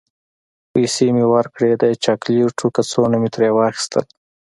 پیسې مې ورکړې، د چاکلیټو کڅوڼه مې ترې واخیستل.